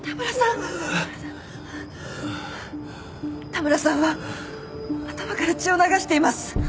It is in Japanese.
田村さんは頭から血を流しています。